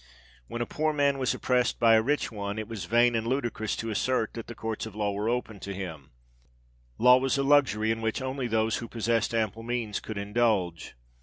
When a poor man was oppressed by a rich one, it was vain and ludicrous to assert that the Courts of Law were open to him: law was a luxury in which only those who possessed ample means could indulge.